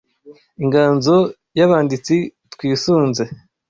Inganzo z’Abanditsi twisunze